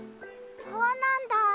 そうなんだ。